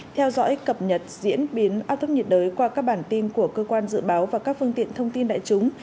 theo dõi cập nhật diễn biến áp thấp nhiệt đới qua các bản tin của cơ quan dự báo và các phương tiện thông tin đại chúng